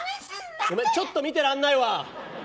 ちょっと見てらんないわ。